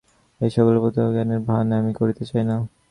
এই সকলের প্রত্যক্ষ জ্ঞানের ভান আমি করিতে চাই না।